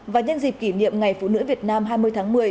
và nhân dịp kỷ niệm ngày phụ nữ việt nam hai mươi tháng một mươi